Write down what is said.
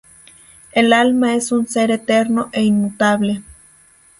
El alma es un ser eterno e inmutable.